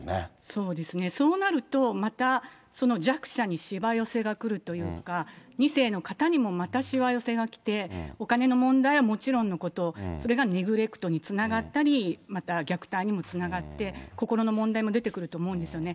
そうですね、そうなると、また弱者にしわ寄せが来るというか、２世の方にもまたしわ寄せがきて、お金の問題はもちろんのこと、それがネグレクトにつながったり、また虐待にもつながって、心の問題も出てくると思うんですよね。